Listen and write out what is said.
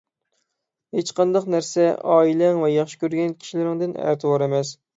ھېچقانداق نەرسە ئائىلەڭ ۋە ياخشى كۆرگەن كىشىلىرىڭدىن ئەتىۋار ئەمەس.